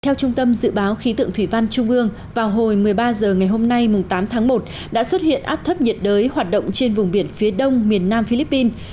theo trung tâm dự báo khí tượng thủy văn trung ương vào hồi một mươi ba h ngày hôm nay tám tháng một đã xuất hiện áp thấp nhiệt đới hoạt động trên vùng biển phía đông miền nam philippines